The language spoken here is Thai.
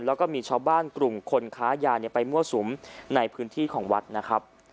แล้วก็มีชาวบ้านกลุ่มคนค้ายาไปมั่วสุมในพื้นที่ของวัดนะครับ